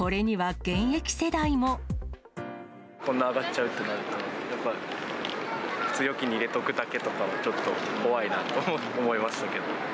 こんな上がっちゃうとなると、やっぱ、普通預金に入れとくだけとかはちょっと怖いなと思いましたけど。